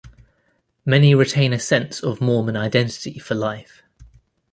Many retain a sense of Mormon identity for life.